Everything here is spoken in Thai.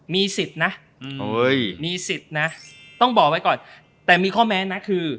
มีสิทธิ์นะมีสิทธิ์นะต้องบอกไว้ก่อนแต่มีข้อแม้นะคือ